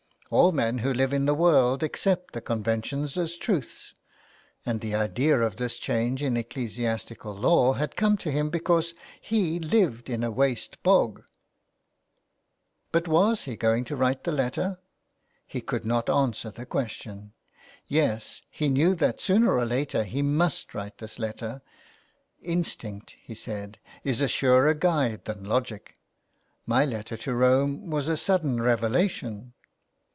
All men who live in the world accept the conventions as truths. And the idea of this change in ecclesiastical law had come to him because he lived in a waste bog. i8o A LETTER TO ROME, But was he going to write the letter ? He could not answer the question ! Yes, he knew that sooner or later he must write this letter. '' Instinct," he said, '* is a surer guide than logic. My letter to Rome was a sudden revelation."